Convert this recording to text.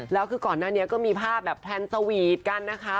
แล้วคือก่อนหน้านี้ก็มีภาพแบบแพลนสวีทกันนะคะ